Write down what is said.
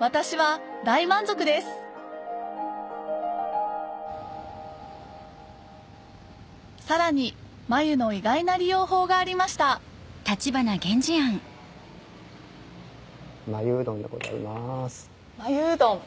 私は大満足ですさらに繭の意外な利用法がありました繭うどん。